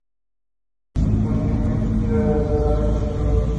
La condición es raramente curada.